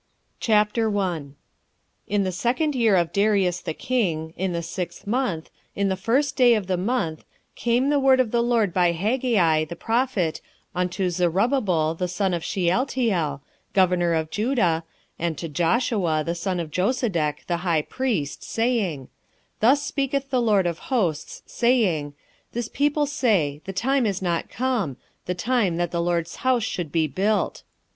Haggai 1:1 In the second year of Darius the king, in the sixth month, in the first day of the month, came the word of the LORD by Haggai the prophet unto Zerubbabel the son of Shealtiel, governor of Judah, and to Joshua the son of Josedech, the high priest, saying, 1:2 Thus speaketh the LORD of hosts, saying, This people say, The time is not come, the time that the LORD's house should be built.